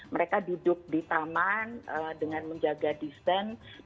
mereka duduk di taman dengan menjaga distance